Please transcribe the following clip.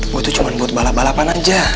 gue tuh cuma buat balap balapan aja